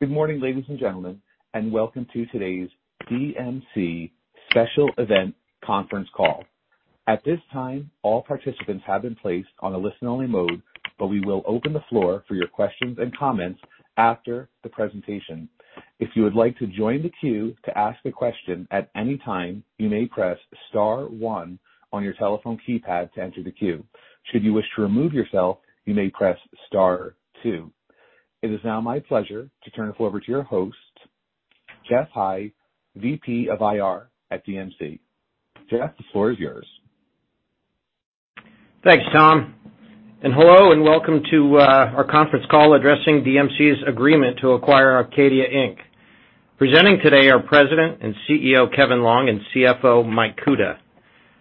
Good morning, ladies and gentlemen, and welcome to today's DMC Special Event Conference Call. At this time, all participants have been placed on a listen-only mode, but we will open the floor for your questions and comments after the presentation. If you would like to join the queue to ask a question at any time, you may press star one on your telephone keypad to enter the queue. Should you wish to remove yourself, you may press star two. It is now my pleasure to turn the floor over to your host, Geoff High, VP of IR at DMC. Geoff, the floor is yours. Thanks, Tom, and hello and welcome to our conference call addressing DMC's agreement to acquire Arcadia Inc. Presenting today are President and CEO, Kevin Longe, and CFO, Michael Kuta.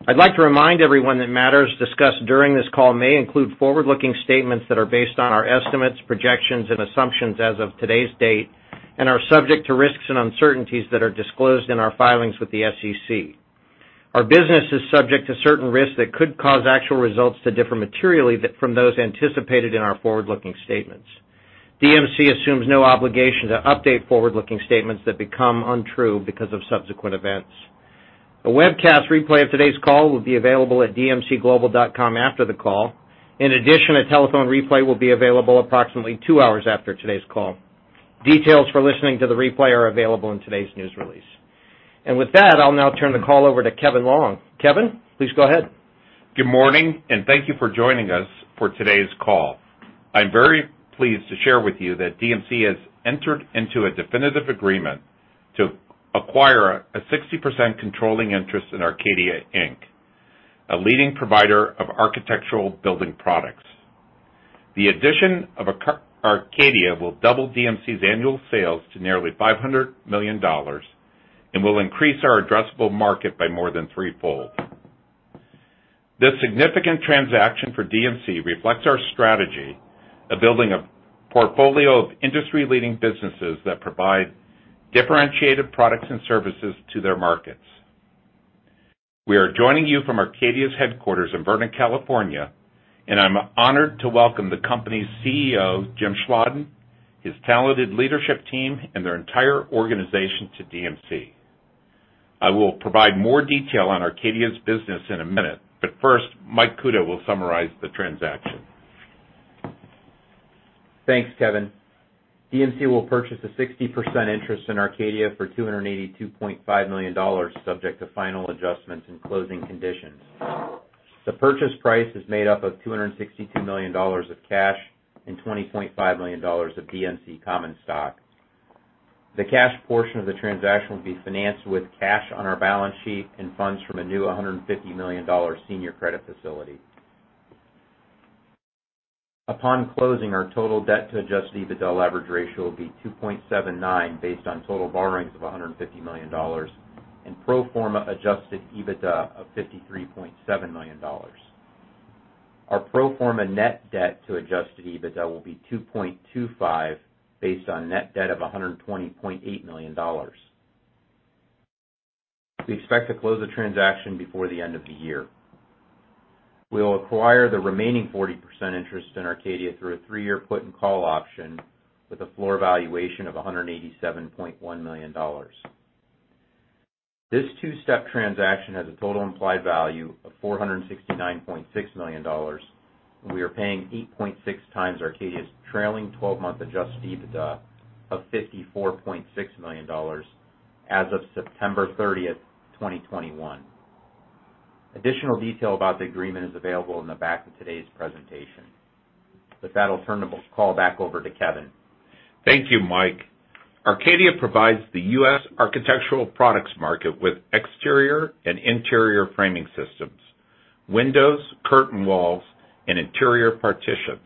I'd like to remind everyone that matters discussed during this call may include forward-looking statements that are based on our estimates, projections, and assumptions as of today's date and are subject to risks and uncertainties that are disclosed in our filings with the SEC. Our business is subject to certain risks that could cause actual results to differ materially from those anticipated in our forward-looking statements. DMC assumes no obligation to update forward-looking statements that become untrue because of subsequent events. A webcast replay of today's call will be available at dmcglobal.com after the call. In addition, a telephone replay will be available approximately two hours after today's call. Details for listening to the replay are available in today's news release. With that, I'll now turn the call over to Kevin Longe. Kevin, please go ahead. Good morning, and thank you for joining us for today's call. I'm very pleased to share with you that DMC has entered into a definitive agreement to acquire a 60% controlling interest in Arcadia Inc., a leading provider of architectural building products. The addition of Arcadia will double DMC's annual sales to nearly $500 million and will increase our addressable market by more than threefold. This significant transaction for DMC reflects our strategy of building a portfolio of industry-leading businesses that provide differentiated products and services to their markets. We are joining you from Arcadia's headquarters in Vernon, California, and I'm honored to welcome the company's CEO, Jim Schladen, his talented leadership team, and their entire organization to DMC. I will provide more detail on Arcadia's business in a minute, but first, Michael Kuta will summarize the transaction. Thanks, Kevin. DMC will purchase a 60% interest in Arcadia for $282.5 million, subject to final adjustments and closing conditions. The purchase price is made up of $262 million of cash and $20.5 million of DMC common stock. The cash portion of the transaction will be financed with cash on our balance sheet and funds from a new $150 million senior credit facility. Upon closing, our total debt to adjusted EBITDA leverage ratio will be 2.79 based on total borrowings of $150 million and pro forma adjusted EBITDA of $53.7 million. Our pro forma net debt to adjusted EBITDA will be 2.25 based on net debt of $120.8 million. We expect to close the transaction before the end of the year. We'll acquire the remaining 40% interest in Arcadia through a 3-year put and call option with a floor valuation of $187.1 million. This two-step transaction has a total implied value of $469.6 million, and we are paying 8.6 times Arcadia's trailing 12-month adjusted EBITDA of $54.6 million as of September thirtieth, 2021. Additional detail about the agreement is available in the back of today's presentation. With that, I'll turn the call back over to Kevin. Thank you, Mike. Arcadia provides the U.S. architectural products market with exterior and interior framing systems, windows, curtain walls, and interior partitions.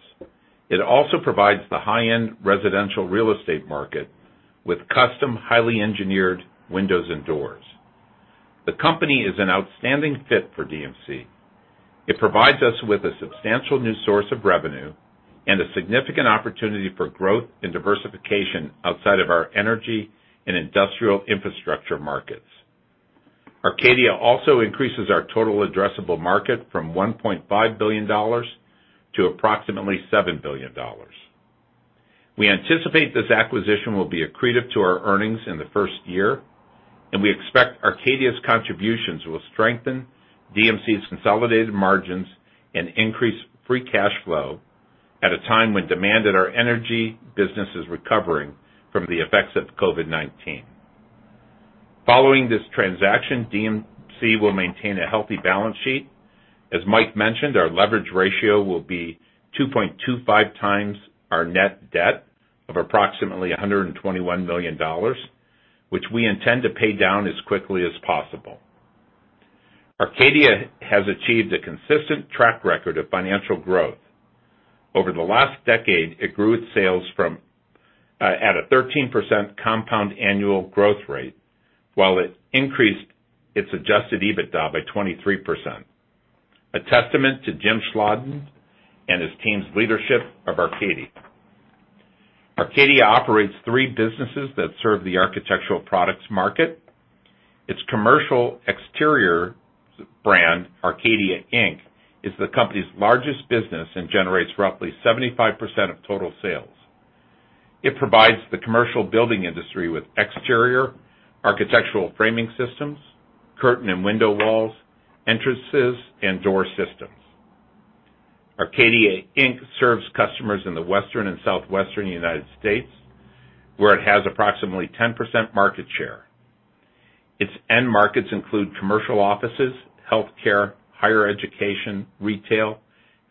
It also provides the high-end residential real estate market with custom, highly engineered windows and doors. The company is an outstanding fit for DMC. It provides us with a substantial new source of revenue and a significant opportunity for growth and diversification outside of our energy and industrial infrastructure markets. Arcadia also increases our total addressable market from $1.5 billion to approximately $7 billion. We anticipate this acquisition will be accretive to our earnings in the first year, and we expect Arcadia's contributions will strengthen DMC's consolidated margins and increase free cash flow at a time when demand at our energy business is recovering from the effects of COVID-19. Following this transaction, DMC will maintain a healthy balance sheet. As Mike mentioned, our leverage ratio will be 2.25 times our net debt of approximately $121 million, which we intend to pay down as quickly as possible. Arcadia has achieved a consistent track record of financial growth. Over the last decade, it grew its sales at a 13% compound annual growth rate while it increased its adjusted EBITDA by 23%. A testament to Jim Schladen and his team's leadership of Arcadia. Arcadia operates three businesses that serve the architectural products market. Its commercial exterior brand, Arcadia Inc., is the company's largest business and generates roughly 75% of total sales. It provides the commercial building industry with exterior architectural framing systems, curtain and window walls, entrances, and door systems. Arcadia Inc. serves customers in the western and southwestern U.S., where it has approximately 10% market share. Its end markets include commercial offices, healthcare, higher education, retail,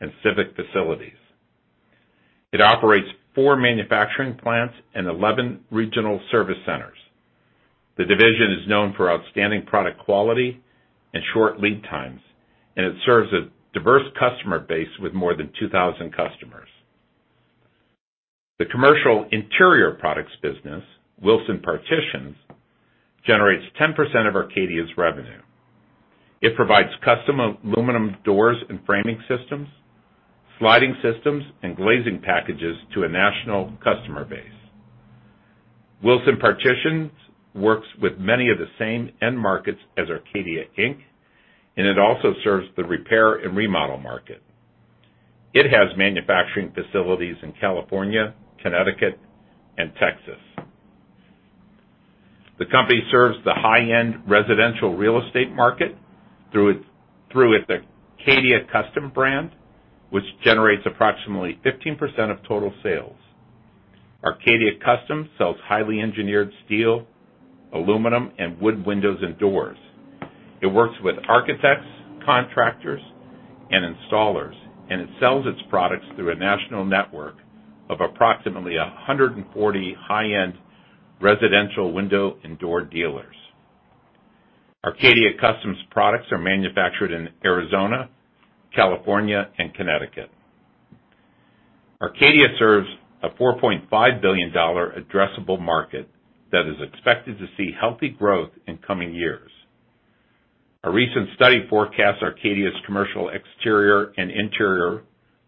and civic facilities. It operates 4 manufacturing plants and 11 regional service centers. The division is known for outstanding product quality and short lead times, and it serves a diverse customer base with more than 2,000 customers. The commercial interior products business, Wilson Partitions, generates 10% of Arcadia's revenue. It provides custom aluminum doors and framing systems, sliding systems, and glazing packages to a national customer base. Wilson Partitions works with many of the same end markets as Arcadia Inc., and it also serves the repair and remodel market. It has manufacturing facilities in California, Connecticut, and Texas. The company serves the high-end residential real estate market through its Arcadia Custom brand, which generates approximately 15% of total sales. Arcadia Custom sells highly engineered steel, aluminum, and wood windows and doors. It works with architects, contractors, and installers, and it sells its products through a national network of approximately 140 high-end residential window and door dealers. Arcadia Custom's products are manufactured in Arizona, California, and Connecticut. Arcadia serves a $4.5 billion addressable market that is expected to see healthy growth in coming years. A recent study forecasts Arcadia's commercial exterior and interior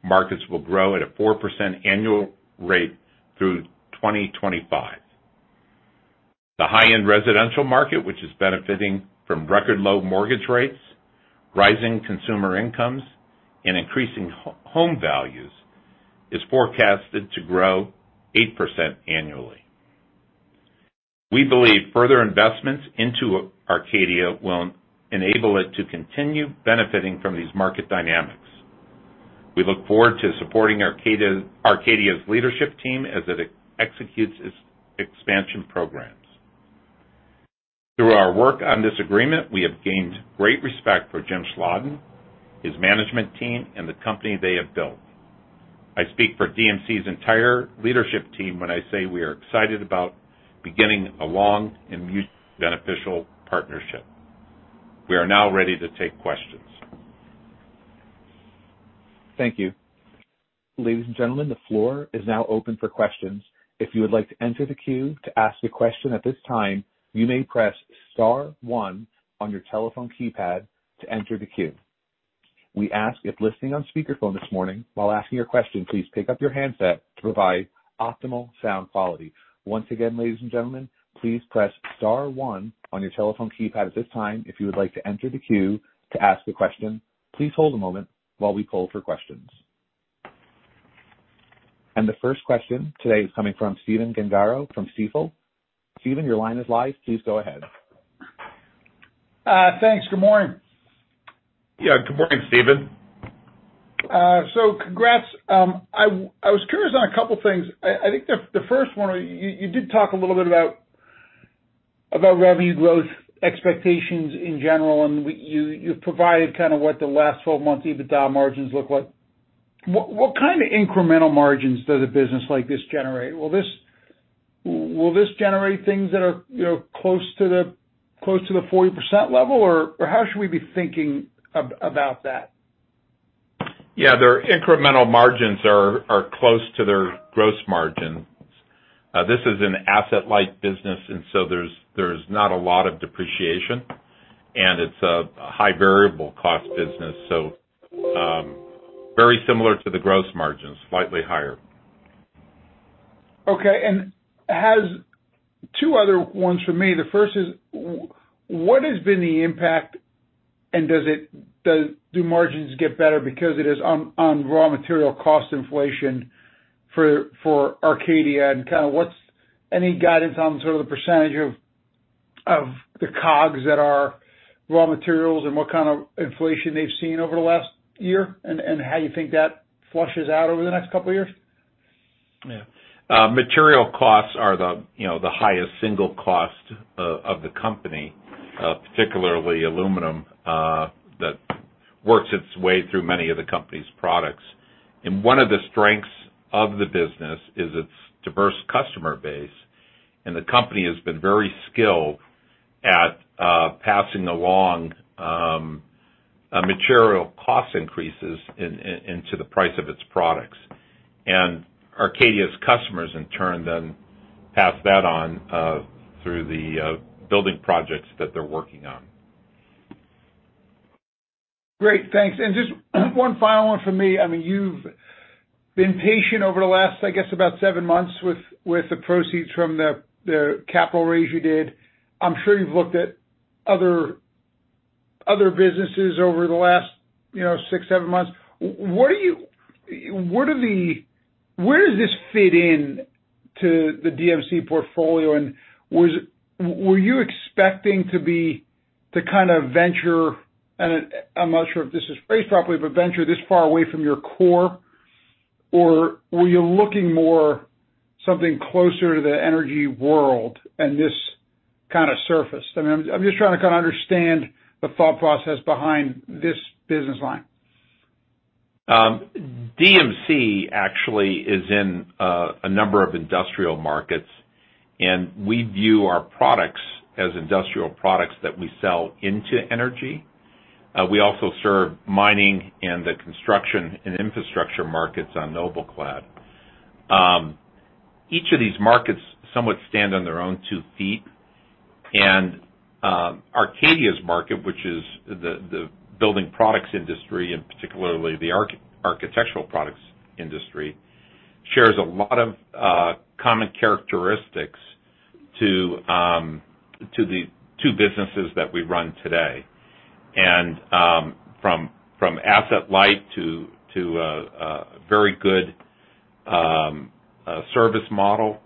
markets will grow at a 4% annual rate through 2025. The high-end residential market, which is benefiting from record low mortgage rates, rising consumer incomes, and increasing home values, is forecasted to grow 8% annually. We believe further investments into Arcadia will enable it to continue benefiting from these market dynamics. We look forward to supporting Arcadia's leadership team as it executes its expansion programs. Through our work on this agreement, we have gained great respect for Jim Schladen, his management team, and the company they have built. I speak for DMC's entire leadership team when I say we are excited about beginning a long and beneficial partnership. We are now ready to take questions. Thank you. Ladies and gentlemen, the floor is now open for questions. If you would like to enter the queue to ask a question at this time, you may press star one on your telephone keypad to enter the queue. We ask, if listening on speakerphone this morning, while asking your question, please pick up your handset to provide optimal sound quality. Once again, ladies and gentlemen, please press star one on your telephone keypad at this time, if you would like to enter the queue to ask a question. Please hold a moment while we poll for questions. The first question today is coming from Stephen Gengaro from Stifel. Stephen, your line is live. Please go ahead. Thanks. Good morning. Yeah, good morning, Stephen. Congrats. I was curious on a couple things. I think the first one, you did talk a little bit about revenue growth expectations in general, and you've provided kind of what the last twelve months EBITDA margins look like. What kind of incremental margins does a business like this generate? Will this generate things that are, you know, close to the 40% level? Or how should we be thinking about that? Yeah, their incremental margins are close to their gross margins. This is an asset-light business, and so there's not a lot of depreciation, and it's a high variable cost business, so very similar to the gross margins, slightly higher. Okay, 2 other ones for me. The first is what has been the impact, and do margins get better because of raw material cost inflation for Arcadia? Kind of what's any guidance on sort of the percentage of the COGS that are raw materials and what kind of inflation they've seen over the last year, and how you think that fleshes out over the next couple of years? Yeah. Material costs are the highest single cost of the company, particularly aluminum that works its way through many of the company's products. One of the strengths of the business is its diverse customer base, and the company has been very skilled at passing along material cost increases into the price of its products. Arcadia's customers in turn then pass that on through the building projects that they're working on. Great. Thanks. Just one final one for me. I mean, you've been patient over the last, I guess, about 7 months with the proceeds from the capital raise you did. I'm sure you've looked at other businesses over the last, you know, 6, 7 months. Where does this fit into the DMC portfolio? Were you expecting to be the kind of venture, and I'm not sure if this is phrased properly, but venture this far away from your core? Or were you looking for something closer to the energy world and this kind of service? I mean, I'm just trying to kind of understand the thought process behind this business line. DMC actually is in a number of industrial markets, and we view our products as industrial products that we sell into energy. We also serve mining and the construction and infrastructure markets on NobelClad. Each of these markets somewhat stand on their own two feet. Arcadia's market, which is the building products industry, and particularly the architectural products industry, shares a lot of common characteristics to the two businesses that we run today. From asset light to a very good service model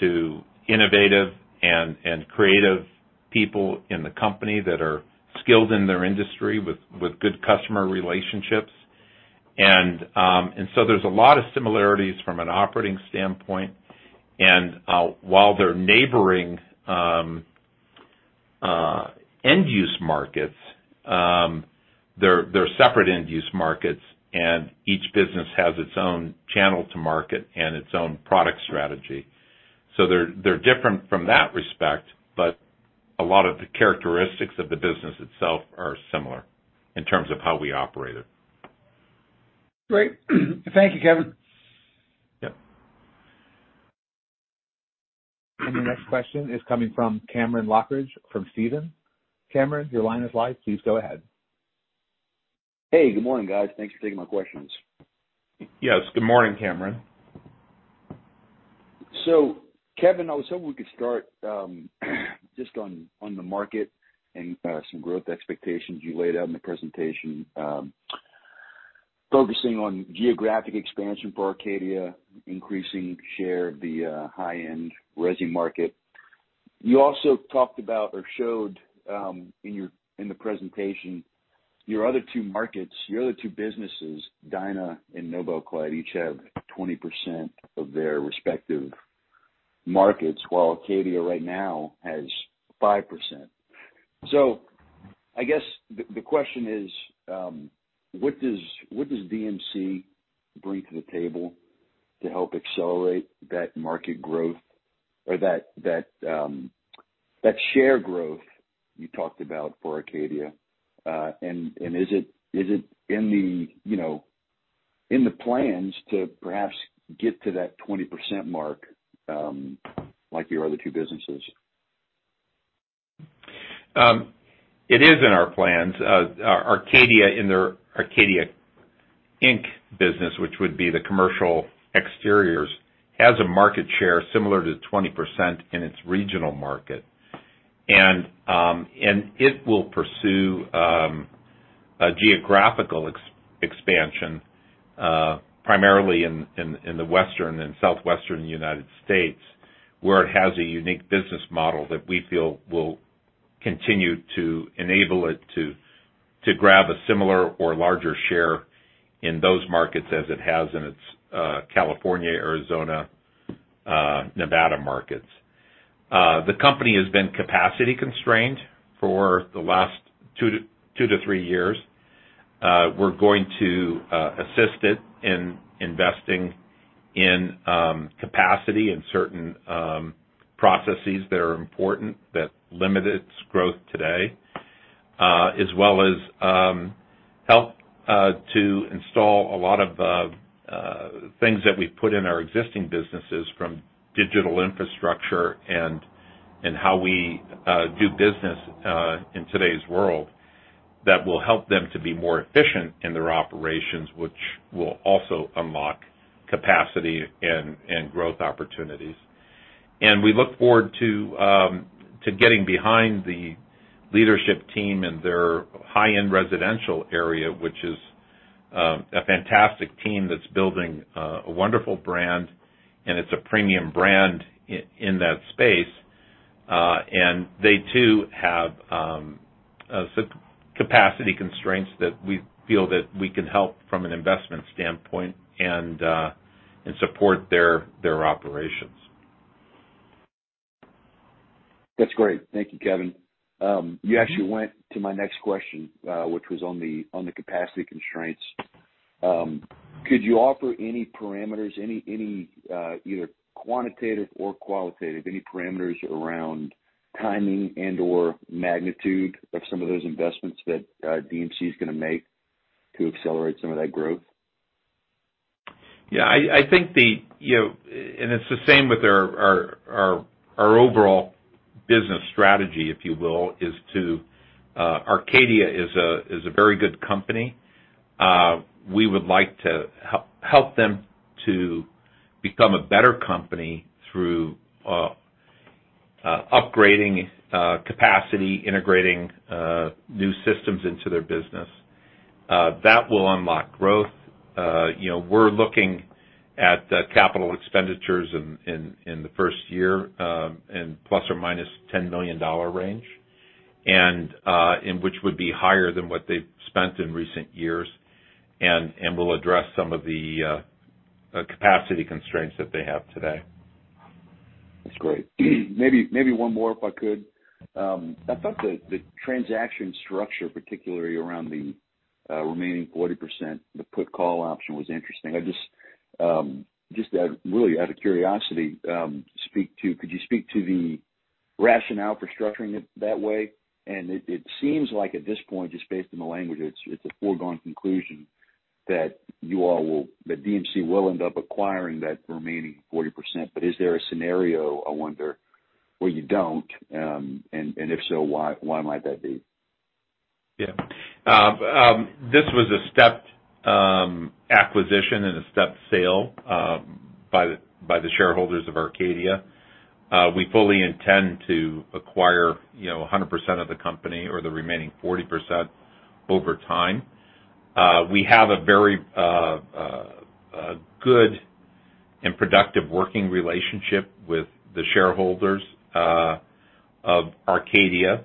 to innovative and creative people in the company that are skilled in their industry with good customer relationships. There's a lot of similarities from an operating standpoint. While they're neighboring end use markets, they're separate end use markets, and each business has its own channel to market and its own product strategy. They're different from that respect, but a lot of the characteristics of the business itself are similar in terms of how we operate it. Great. Thank you, Kevin. Yep. Your next question is coming from Cameron Lochridge from Stephens. Cameron, your line is live. Please go ahead. Hey, good morning, guys. Thanks for taking my questions. Yes, good morning, Cameron. Kevin, I was hoping we could start just on the market and some growth expectations you laid out in the presentation. Focusing on geographic expansion for Arcadia, increasing share of the high-end resi market. You also talked about or showed in your presentation, your other two markets, your other two businesses, Dyna and NobelClad, each have 20% of their respective markets, while Arcadia right now has 5%. I guess the question is, what does DMC bring to the table to help accelerate that market growth or that share growth you talked about for Arcadia? And is it in the, you know, in the plans to perhaps get to that 20% mark like your other two businesses? It is in our plans. Arcadia in their Arcadia Inc. business, which would be the commercial exteriors, has a market share similar to 20% in its regional market. It will pursue a geographical expansion primarily in the Western and Southwestern United States, where it has a unique business model that we feel will continue to enable it to grab a similar or larger share in those markets as it has in its California, Arizona, Nevada markets. The company has been capacity constrained for the last 2-3 years. We're going to assist it in investing in capacity in certain processes that are important that limit its growth today, as well as help to install a lot of things that we've put in our existing businesses from digital infrastructure and how we do business in today's world that will help them to be more efficient in their operations, which will also unlock capacity and growth opportunities. We look forward to getting behind the leadership team in their high-end residential area, which is a fantastic team that's building a wonderful brand, and it's a premium brand in that space. They too have capacity constraints that we feel that we can help from an investment standpoint and support their operations. That's great. Thank you, Kevin. You actually went to my next question, which was on the capacity constraints. Could you offer any parameters, either quantitative or qualitative, any parameters around timing and/or magnitude of some of those investments that DMC is gonna make to accelerate some of that growth? Yeah, I think, you know, and it's the same with our overall business strategy, if you will, is to Arcadia is a very good company. We would like to help them to become a better company through upgrading capacity, integrating new systems into their business. That will unlock growth. You know, we're looking at capital expenditures in the first year ±$10 million range. Which would be higher than what they've spent in recent years, and we'll address some of the capacity constraints that they have today. That's great. Maybe one more, if I could. I thought the transaction structure, particularly around the remaining 40%, the put call option was interesting. I just, really out of curiosity, could you speak to the rationale for structuring it that way? It seems like at this point, just based on the language, it's a foregone conclusion that DMC will end up acquiring that remaining 40%. Is there a scenario, I wonder, where you don't? If so, why might that be? Yeah. This was a stepped acquisition and a stepped sale by the shareholders of Arcadia. We fully intend to acquire, you know, 100% of the company or the remaining 40% over time. We have a very good and productive working relationship with the shareholders of Arcadia,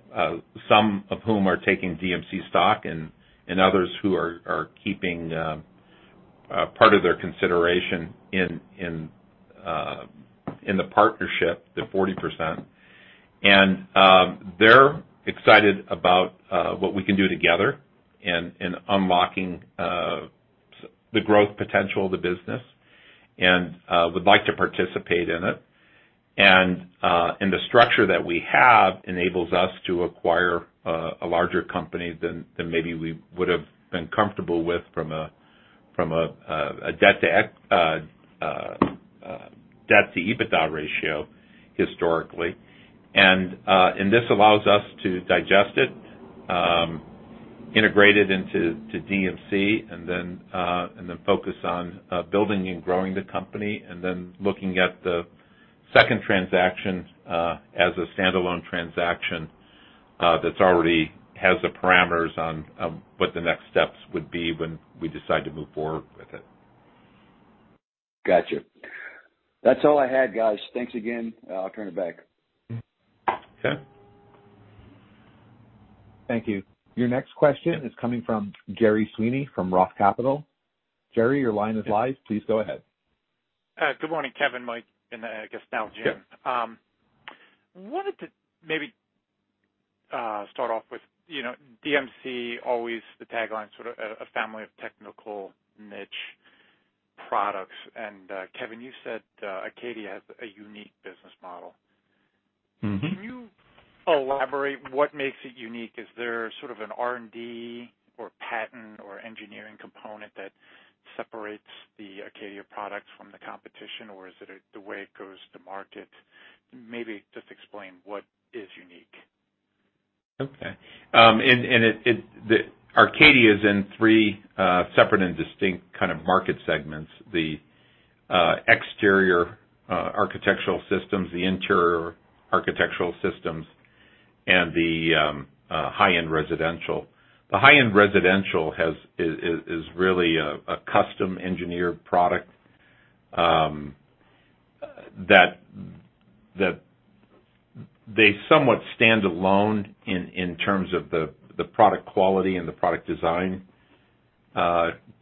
some of whom are taking DMC stock and others who are keeping part of their consideration in the partnership, the 40%. They're excited about what we can do together in unlocking the growth potential of the business and would like to participate in it. The structure that we have enables us to acquire a larger company than maybe we would have been comfortable with from a debt to EBITDA ratio historically. This allows us to digest it, integrate it into DMC and then focus on building and growing the company, and then looking at the second transaction as a standalone transaction that already has the parameters on what the next steps would be when we decide to move forward with it. Gotcha. That's all I had, guys. Thanks again. I'll turn it back. Okay. Thank you. Your next question is coming from Gerry Sweeney from Roth Capital. Gerry, your line is live. Please go ahead. Good morning, Kevin, Mike, and I guess now Jim. Yeah. Wanted to maybe start off with, you know, DMC always the tagline, sort of a family of technical niche products. Kevin, you said Arcadia has a unique business model. Mm-hmm. Can you elaborate what makes it unique? Is there sort of an R&D or patent or engineering component that separates the Arcadia products from the competition, or is it the way it goes to market? Maybe just explain what is unique. Okay. Arcadia is in three separate and distinct kind of market segments, the exterior architectural systems, the interior architectural systems, and the high-end residential. The high-end residential is really a custom engineered product that they somewhat stand alone in terms of the product quality and the product design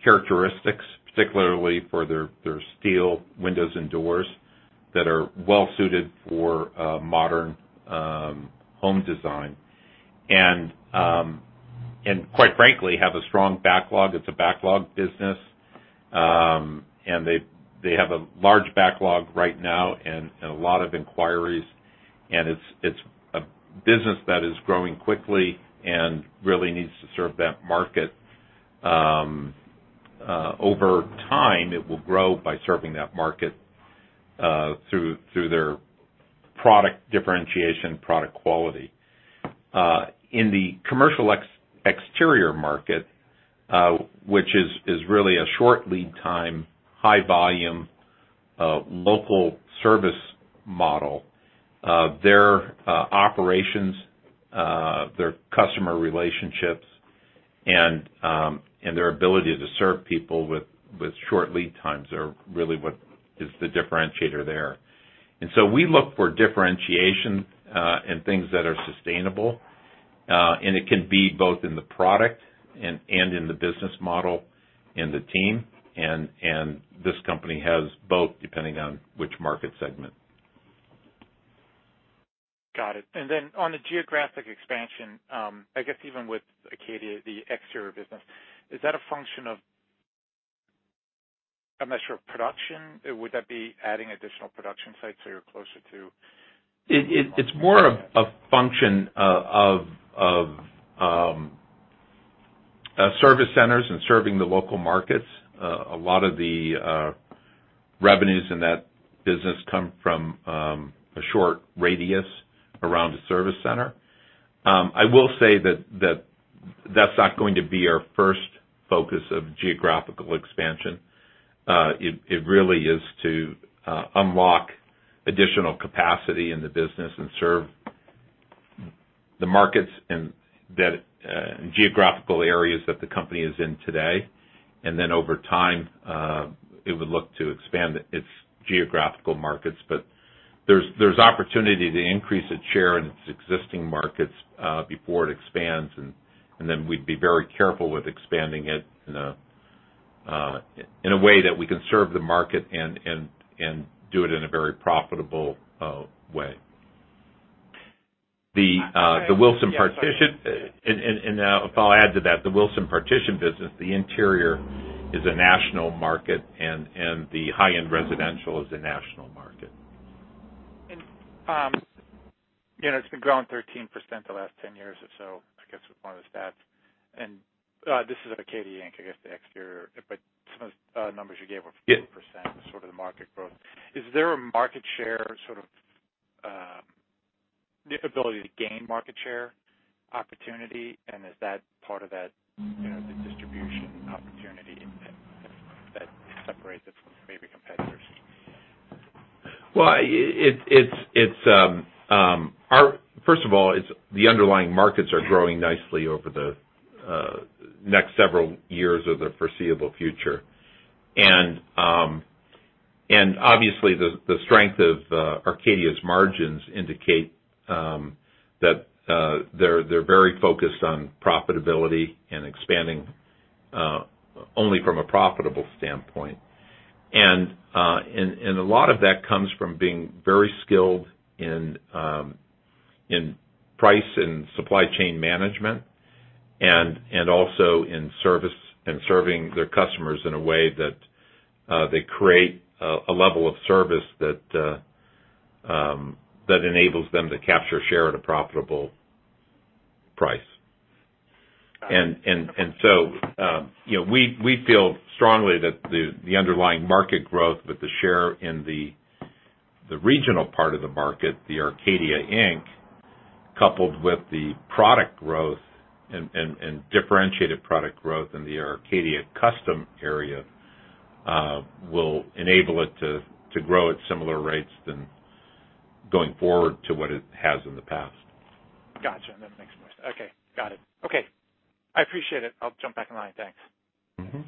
characteristics, particularly for their steel windows and doors that are well suited for modern home design. Quite frankly, they have a strong backlog. It's a backlog business. They have a large backlog right now and a lot of inquiries, and it's a business that is growing quickly and really needs to serve that market. Over time, it will grow by serving that market through their product differentiation, product quality. In the commercial exterior market, which is really a short lead time, high volume, local service model, their operations, their customer relationships and their ability to serve people with short lead times are really what is the differentiator there. We look for differentiation and things that are sustainable, and it can be both in the product and in the business model and the team. This company has both, depending on which market segment. Got it. On the geographic expansion, I guess even with Arcadia, the exterior business, is that a function of, I'm not sure, production? Would that be adding additional production sites so you're closer to- It's more of a function of service centers and serving the local markets. A lot of the revenues in that business come from a short radius around a service center. I will say that that's not going to be our first focus of geographical expansion. It really is to unlock additional capacity in the business and serve the markets and the geographical areas that the company is in today. Then over time, it would look to expand its geographical markets. There's opportunity to increase its share in its existing markets before it expands, and then we'd be very careful with expanding it in a way that we can serve the market and do it in a very profitable way. If I'll add to that, the Wilson Partitions business, the interior is a national market and the high-end residential is a national market. You know, it's been growing 13% the last 10 years or so, I guess with one of the stats. This is Arcadia Inc, I guess, the exterior, but some of the numbers you gave were- Yeah. 14% sort of the market growth. Is there a market share sort of, the ability to gain market share opportunity and is that part of that, you know, the distribution opportunity that separates it from maybe competitors? First of all, it's the underlying markets are growing nicely over the next several years of the foreseeable future. Obviously, the strength of Arcadia's margins indicate that they're very focused on profitability and expanding only from a profitable standpoint. A lot of that comes from being very skilled in price and supply chain management, and also in service, in serving their customers in a way that they create a level of service that enables them to capture share at a profitable price. You know, we feel strongly that the underlying market growth with the share in the regional part of the market, the Arcadia Inc., coupled with the product growth and differentiated product growth in the Arcadia Custom area, will enable it to grow at similar rates than going forward to what it has in the past. Gotcha. That makes more sense. Okay. Got it. Okay. I appreciate it. I'll jump back in line. Thanks. Mm-hmm.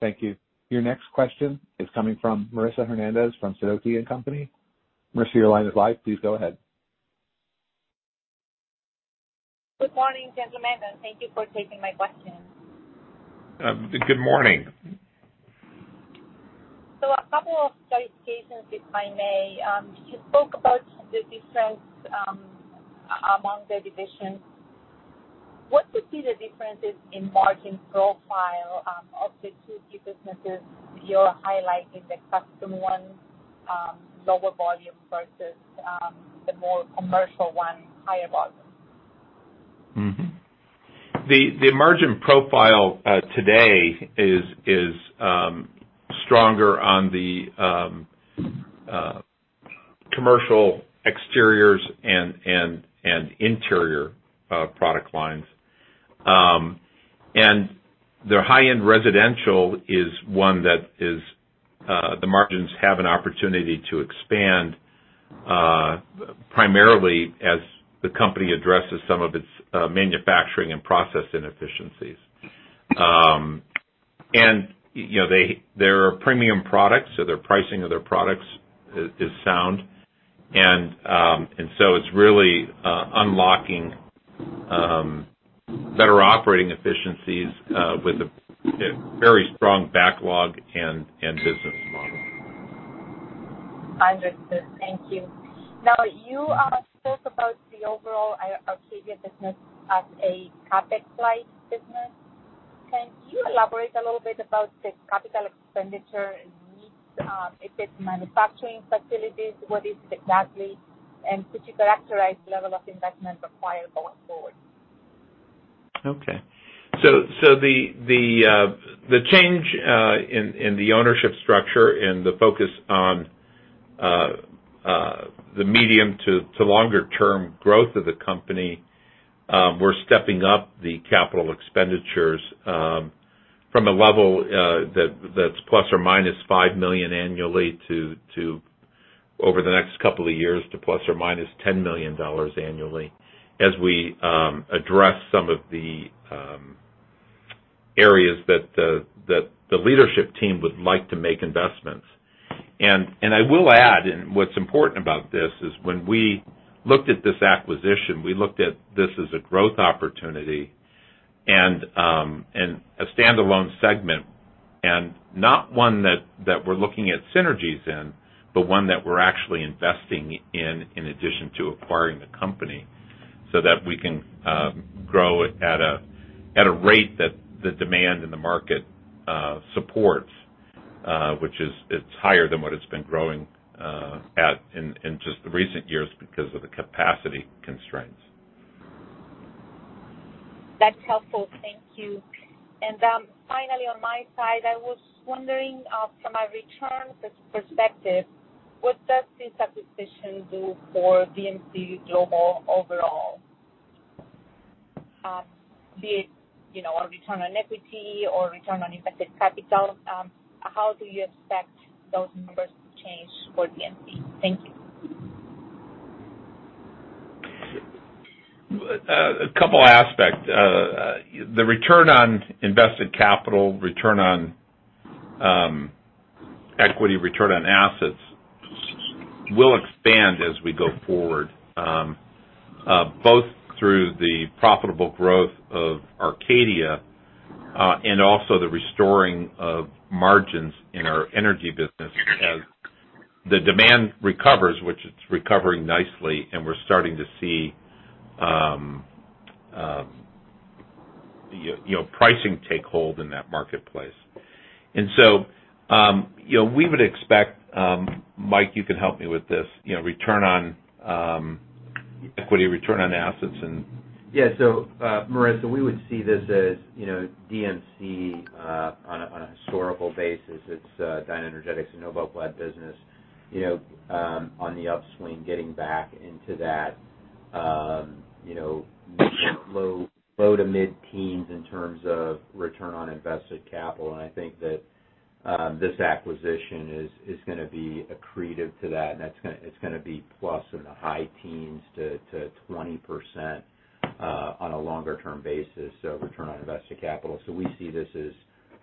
Thank you. Your next question is coming from Marisa Hernandez from Susquehanna Financial Group. Marisa, your line is live. Please go ahead. Good morning, gentlemen, and thank you for taking my question. Good morning. A couple of clarifications, if I may. You spoke about the difference among the divisions. What's the key differences in margin profile of the two key businesses you're highlighting, the custom one, lower volume versus the more commercial one, higher volume? The margin profile today is stronger on the commercial exteriors and interior product lines. The high-end residential is one that the margins have an opportunity to expand primarily as the company addresses some of its manufacturing and process inefficiencies. You know, they're premium products, so their pricing of their products is sound. It's really unlocking better operating efficiencies with a very strong backlog and business model. Understood. Thank you. Now, you spoke about the overall Arcadia business as a CapEx-light business. Can you elaborate a little bit about the capital expenditure needs, if it's manufacturing facilities, what is it exactly? And could you characterize the level of investment required going forward? Okay. The change in the ownership structure and the focus on the medium to longer-term growth of the company, we're stepping up the capital expenditures from a level that's ±$5 million annually to over the next couple of years ±$10 million annually as we address some of the areas that the leadership team would like to make investments. I will add, what's important about this is when we looked at this acquisition, we looked at this as a growth opportunity and a standalone segment, and not one that we're looking at synergies in, but one that we're actually investing in addition to acquiring the company, so that we can grow at a rate that the demand in the market supports. Which is, it's higher than what it's been growing at in just the recent years because of the capacity constraints. That's helpful. Thank you. Finally, on my side, I was wondering, from a return perspective, what does this acquisition do for DMC Global overall? Be it, you know, a return on equity or return on invested capital, how do you expect those numbers to change for DMC? Thank you. A couple aspects. The return on invested capital, return on equity, return on assets will expand as we go forward, both through the profitable growth of Arcadia, and also the restoring of margins in our energy business as the demand recovers, which it's recovering nicely, and we're starting to see, you know, pricing take hold in that marketplace. You know, we would expect. Mike, you can help me with this, you know, return on equity, return on assets, and Yeah. Marissa, we would see this as, you know, DMC on a historical basis. It's DynaEnergetics, NobelClad business, you know, on the upswing, getting back into that, you know, low- to mid-teens in terms of return on invested capital. I think that this acquisition is gonna be accretive to that, and it's gonna be plus in the high teens to 20% on a longer term basis, so return on invested capital. We see this as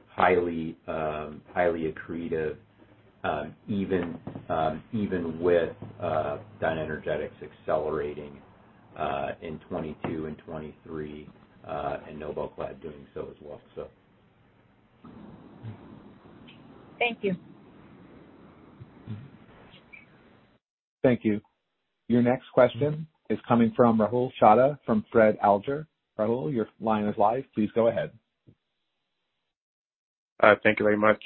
highly accretive, even with DynaEnergetics accelerating in 2022 and 2023, and NobelClad doing so as well. Thank you. Thank you. Your next question is coming from Rahul Chadha from Fred Alger. Rahul, your line is live. Please go ahead. Thank you very much.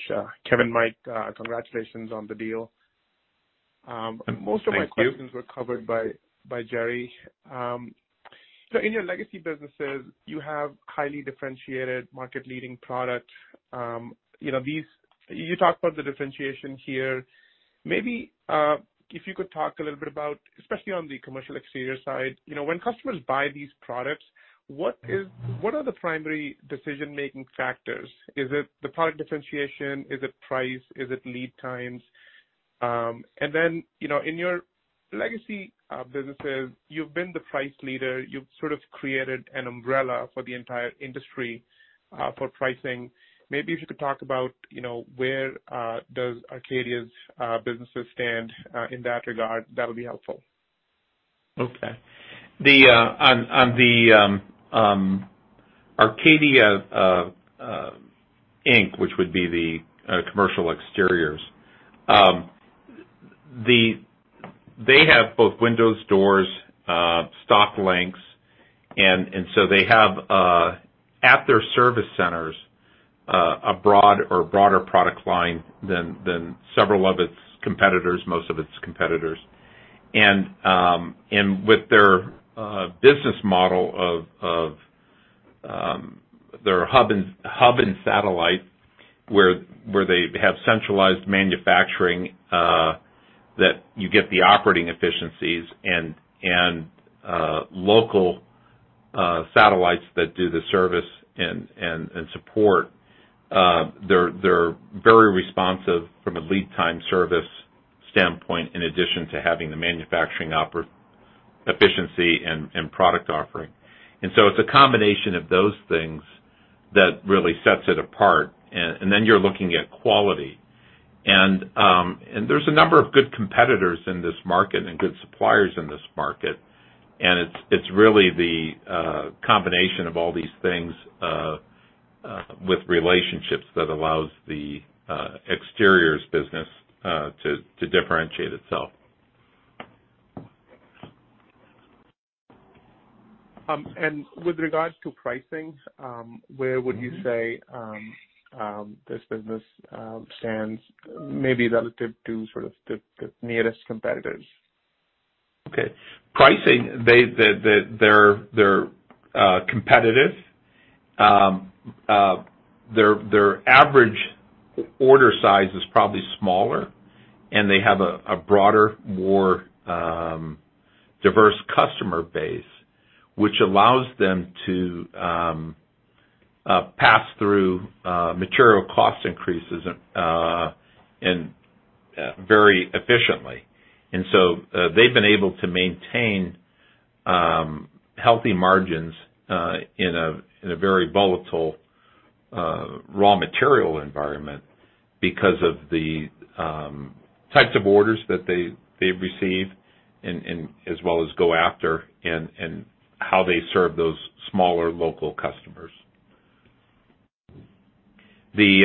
Kevin, Mike, congratulations on the deal. Thank you. Most of my questions were covered by Gerry. In your legacy businesses, you have highly differentiated market-leading product. You know, you talked about the differentiation here. Maybe if you could talk a little bit about, especially on the commercial exterior side, you know, when customers buy these products, what are the primary decision-making factors? Is it the product differentiation? Is it price? Is it lead times? You know, in your legacy businesses, you've been the price leader. You've sort of created an umbrella for the entire industry for pricing. Maybe if you could talk about, you know, where does Arcadia's businesses stand in that regard, that'll be helpful. Okay. On the Arcadia Inc., which would be the commercial exteriors, they have both windows, doors, stock lengths, and so they have at their service centers a broad or broader product line than several of its competitors, most of its competitors. With their business model of their hub and satellite, where they have centralized manufacturing, that you get the operating efficiencies and local satellites that do the service and support, they're very responsive from a lead time service standpoint in addition to having the manufacturing operating efficiency and product offering. So it's a combination of those things that really sets it apart. Then you're looking at quality. There's a number of good competitors in this market and good suppliers in this market. It's really the combination of all these things with relationships that allows the exteriors business to differentiate itself. With regards to pricing, where would you say this business stands maybe relative to sort of the nearest competitors? Okay. Pricing, they're competitive. Their average order size is probably smaller, and they have a broader, more diverse customer base, which allows them to pass through material cost increases and very efficiently. They've been able to maintain healthy margins in a very volatile raw material environment because of the types of orders that they receive and as well as go after and how they serve those smaller local customers. The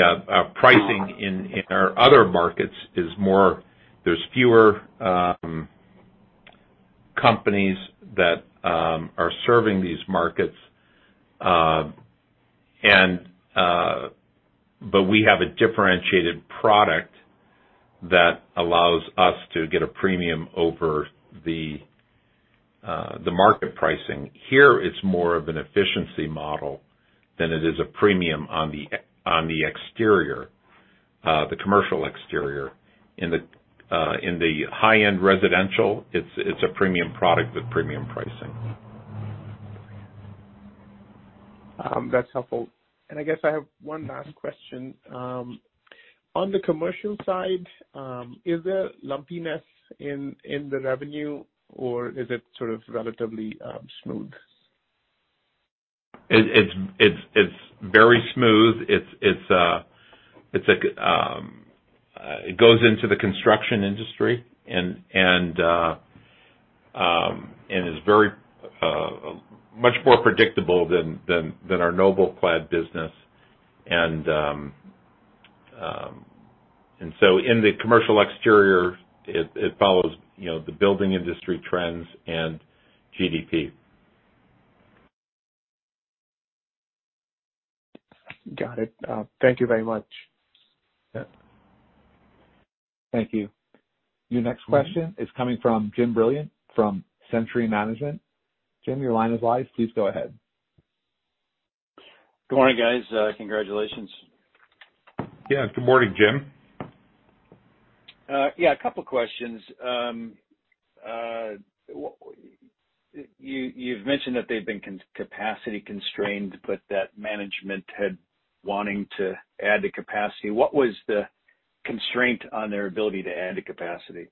pricing in our other markets is more. There's fewer companies that are serving these markets, and we have a differentiated product that allows us to get a premium over the market pricing. Here, it's more of an efficiency model than it is a premium on the exterior, the commercial exterior. In the high-end residential, it's a premium product with premium pricing. That's helpful. I guess I have one last question. On the commercial side, is there lumpiness in the revenue, or is it sort of relatively smooth? It's very smooth. It goes into the construction industry and is very much more predictable than our NobelClad business. So in the commercial exterior, it follows, you know, the building industry trends and GDP. Got it. Thank you very much. Yeah. Thank you. Your next question is coming from Jim Brilliant from Century Management. Jim, your line is live. Please go ahead. Good morning, guys. Congratulations. Yeah, good morning, Jim. Yeah, a couple questions. You've mentioned that they've been capacity constrained, but that management had wanting to add to capacity. What was the constraint on their ability to add to capacity?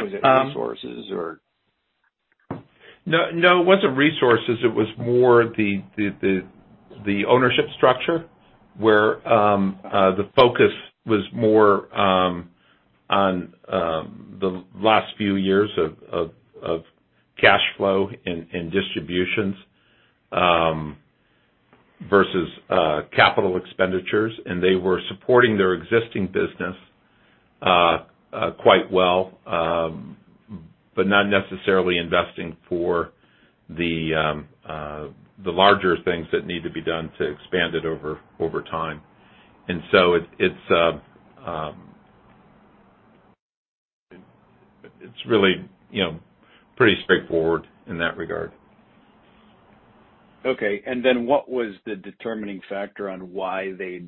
Was it resources or? No, no, it wasn't resources. It was more the ownership structure, where the focus was more on the last few years of cash flow and distributions versus capital expenditures. They were supporting their existing business quite well, but not necessarily investing for the larger things that need to be done to expand it over time. It's really, you know, pretty straightforward in that regard. Okay. What was the determining factor on why the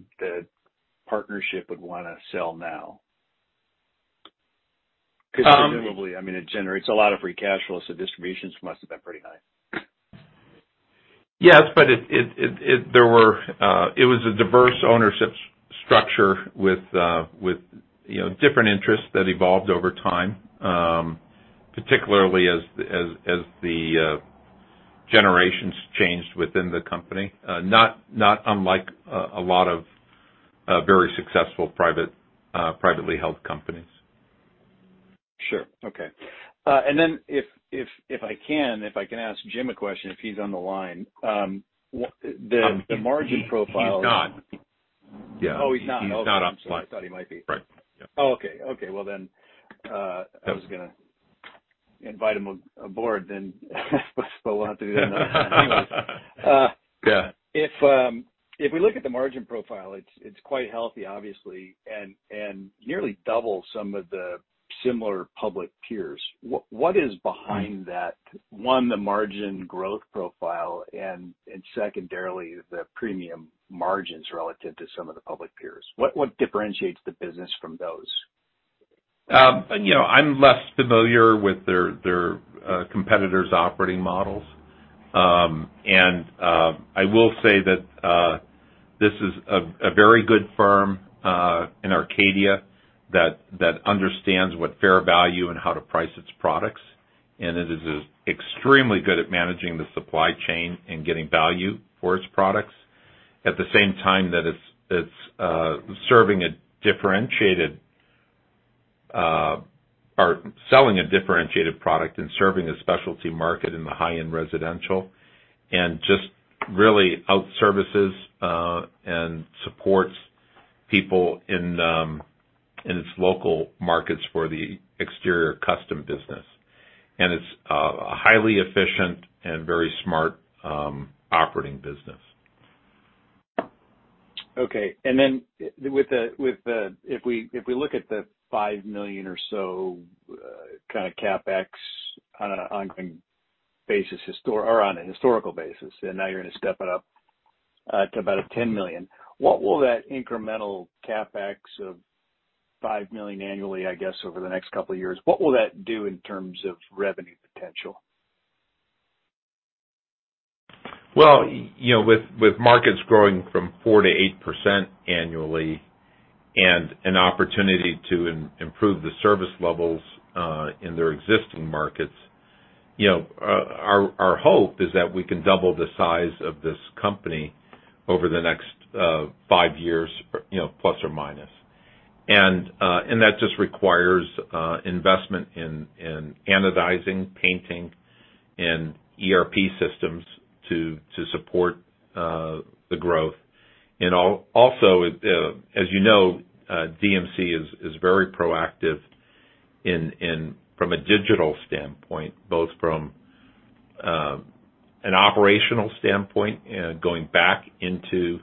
partnership would wanna sell now? Um- 'Cause presumably, I mean, it generates a lot of free cash flow, so distributions must have been pretty high. It was a diverse ownership structure with, you know, different interests that evolved over time, particularly as the generations changed within the company, not unlike a lot of very successful privately held companies. Sure. Okay. If I can ask Jim a question, if he's on the line. Um- The margin profile. He's not. Yeah. Oh, he's not. He's not on the line. Oh, I thought he might be. Right. Yeah. Oh, okay. Well then, I was gonna invite him aboard then, but we'll have to do that another time. Yeah. If we look at the margin profile, it's quite healthy, obviously, and nearly double some of the similar public peers. What is behind that, one, the margin growth profile and secondarily, the premium margins relative to some of the public peers? What differentiates the business from those? You know, I'm less familiar with their competitors' operating models. I will say that this is a very good firm in Arcadia that understands what fair value and how to price its products. It is extremely good at managing the supply chain and getting value for its products. At the same time that it's serving a differentiated, or selling a differentiated product and serving a specialty market in the high-end residential, and just really outservices and supports people in its local markets for the exterior custom business. It's a highly efficient and very smart operating business. Okay. Then with the—if we look at the $5 million or so, kind of CapEx on an ongoing basis or on a historical basis, and now you're gonna step it up to about $10 million. What will that incremental CapEx of $5 million annually, I guess, over the next couple of years, do in terms of revenue potential? Well, you know, with markets growing from 4%-8% annually and an opportunity to improve the service levels in their existing markets, you know, our hope is that we can double the size of this company over the next 5 years, you know, plus or minus. That just requires investment in anodizing, painting and ERP systems to support the growth. Also, as you know, DMC is very proactive from a digital standpoint, both from an operational standpoint, going back into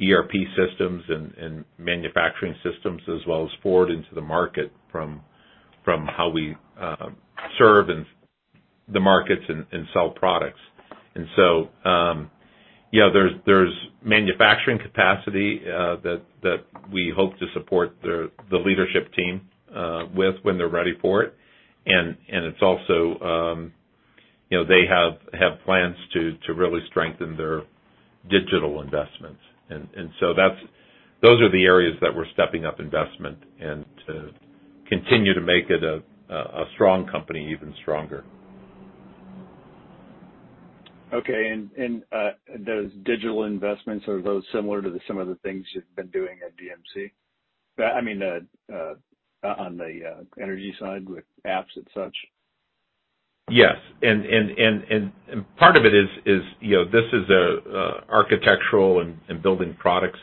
ERP systems and manufacturing systems as well as forward into the market from how we serve in the markets and sell products. yeah, there's manufacturing capacity that we hope to support the leadership team with when they're ready for it. It's also, you know, they have plans to really strengthen their digital investments. Those are the areas that we're stepping up investment and to continue to make it a strong company even stronger. Okay. Those digital investments, are those similar to some of the things you've been doing at DMC? I mean, on the energy side with apps and such. Yes. Part of it is, you know, this is a architectural and building products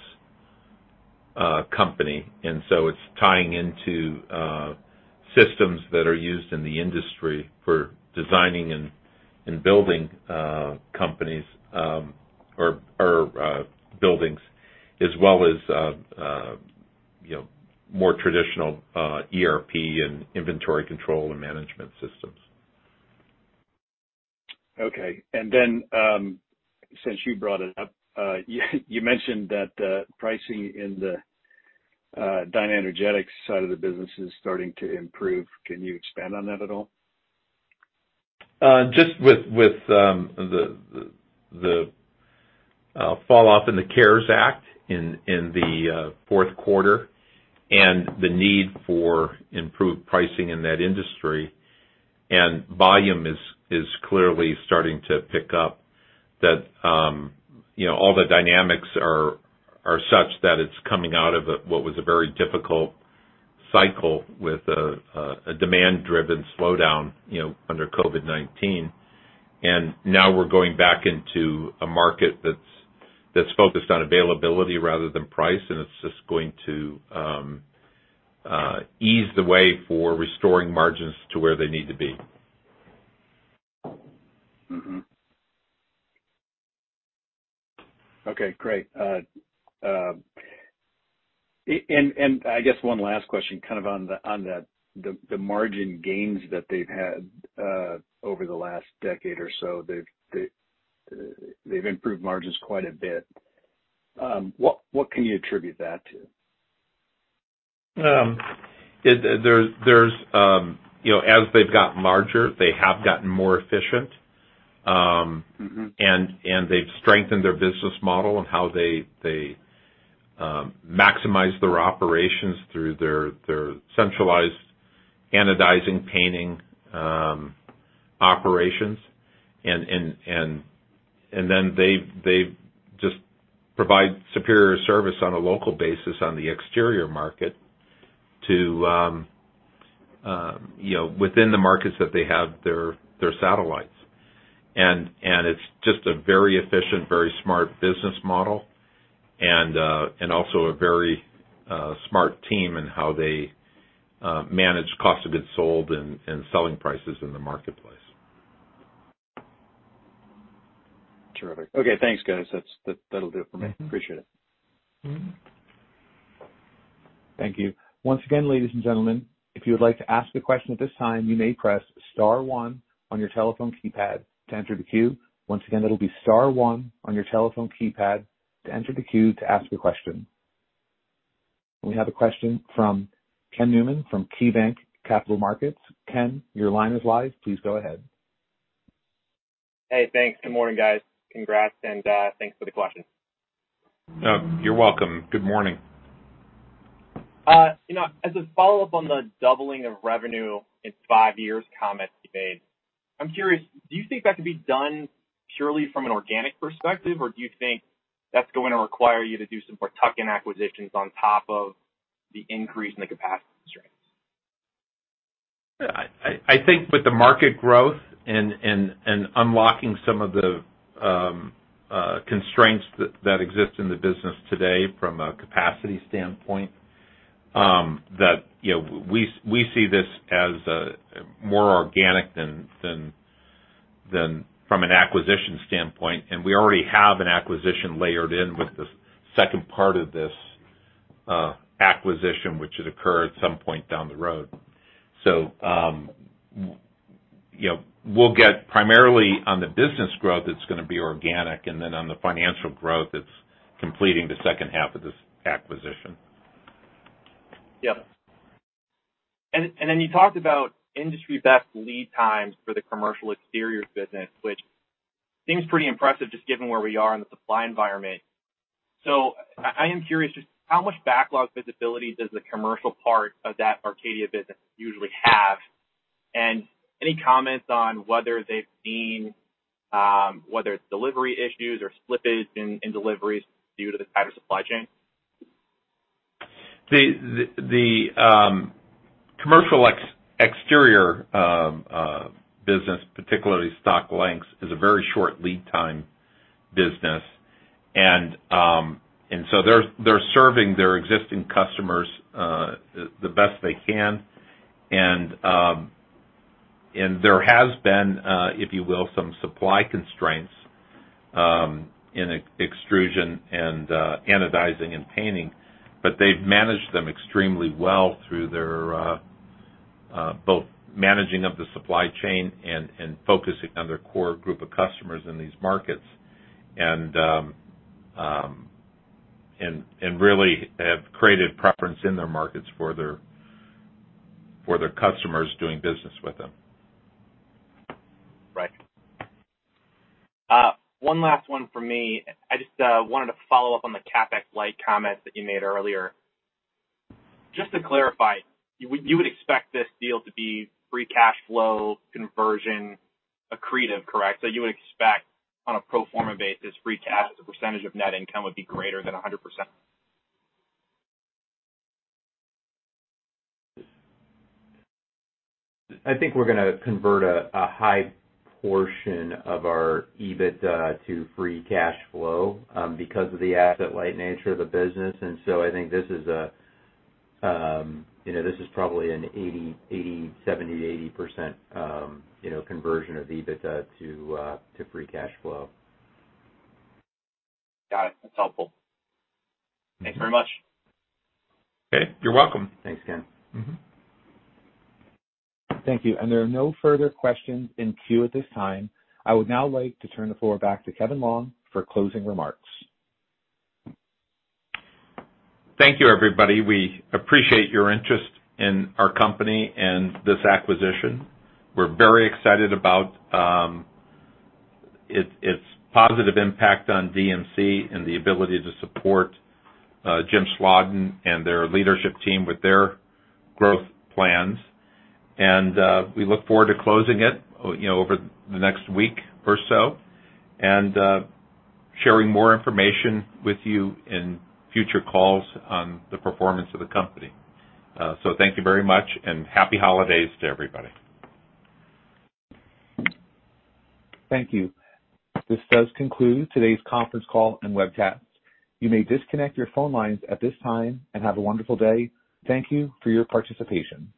company. It's tying into systems that are used in the industry for designing and building companies or buildings, as well as, you know, more traditional ERP and inventory control and management systems. Okay. Since you brought it up, you mentioned that pricing in the DynaEnergetics side of the business is starting to improve. Can you expand on that at all? Just with the fall off in the CARES Act in the fourth quarter and the need for improved pricing in that industry, and volume is clearly starting to pick up that, you know, all the dynamics are such that it's coming out of what was a very difficult cycle with a demand-driven slowdown, you know, under COVID-19. Now we're going back into a market that's focused on availability rather than price, and it's just going to ease the way for restoring margins to where they need to be. Mm-hmm. Okay, great. I guess one last question, kind of on the margin gains that they've had over the last decade or so. They've improved margins quite a bit. What can you attribute that to? There's, you know, as they've gotten larger, they have gotten more efficient. Mm-hmm. They've strengthened their business model and how they maximize their operations through their centralized anodizing painting operations. Then they just provide superior service on a local basis on the exterior market to, you know, within the markets that they have their satellites. It's just a very efficient, very smart business model, and also a very smart team in how they manage cost of goods sold and selling prices in the marketplace. Terrific. Okay, thanks, guys. That'll do it for me. Mm-hmm. appreciate it. Mm-hmm. Thank you. Once again, ladies and gentlemen, if you would like to ask a question at this time, you may press star one on your telephone keypad to enter the queue. Once again, it'll be star one on your telephone keypad to enter the queue to ask a question. We have a question from Ken Newman from KeyBanc Capital Markets. Ken, your line is live. Please go ahead. Hey, thanks. Good morning, guys. Congrats, and thanks for the question. You're welcome. Good morning. You know, as a follow-up on the doubling of revenue in five years comment you made, I'm curious, do you think that could be done purely from an organic perspective, or do you think that's going to require you to do some more tuck-in acquisitions on top of the increase in the capacity constraints? I think with the market growth and unlocking some of the constraints that exist in the business today from a capacity standpoint, that you know we see this as more organic than from an acquisition standpoint. We already have an acquisition layered in with the second part of this acquisition, which would occur at some point down the road. You know we'll get primarily on the business growth that's gonna be organic, and then on the financial growth, it's completing the second half of this acquisition. Yep. Then you talked about industry best lead times for the commercial exterior business, which seems pretty impressive just given where we are in the supply environment. I am curious, just how much backlog visibility does the commercial part of that Arcadia business usually have? Any comments on whether they've seen whether it's delivery issues or slippage in deliveries due to the tighter supply chain? The commercial exterior business, particularly stock lengths, is a very short lead time business. They're serving their existing customers the best they can. There has been, if you will, some supply constraints in extrusion and anodizing and painting, but they've managed them extremely well through their both managing of the supply chain and focusing on their core group of customers in these markets. They really have created preference in their markets for their customers doing business with them. Right. One last one for me. I just wanted to follow up on the CapEx-like comments that you made earlier. Just to clarify, you would expect this deal to be free cash flow conversion accretive, correct? You would expect on a pro forma basis, free cash as a percentage of net income would be greater than 100%. I think we're gonna convert a high portion of our EBITDA to free cash flow, because of the asset light nature of the business. I think this is probably a 70%-80%, you know, conversion of EBITDA to free cash flow. Got it. That's helpful. Okay. Thanks very much. Okay, you're welcome. Thanks, Ken. Mm-hmm. Thank you. There are no further questions in queue at this time. I would now like to turn the floor back to Kevin Longe for closing remarks. Thank you, everybody. We appreciate your interest in our company and this acquisition. We're very excited about its positive impact on DMC and the ability to support Jim Schladen and their leadership team with their growth plans. We look forward to closing it, you know, over the next week or so, and sharing more information with you in future calls on the performance of the company. Thank you very much, and happy holidays to everybody. Thank you. This does conclude today's conference call and webcast. You may disconnect your phone lines at this time, and have a wonderful day. Thank you for your participation.